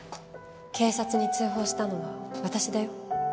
警察に通報したのは私だよ。